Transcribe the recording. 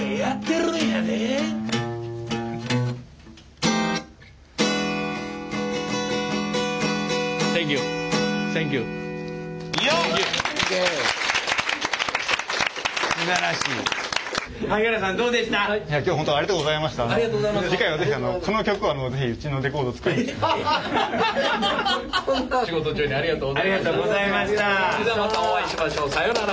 それではまたお会いしましょう。さようなら。